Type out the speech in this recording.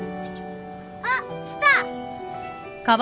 あっ来た。